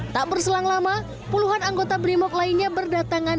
tak berselang lama puluhan anggota brimob lainnya berdatangan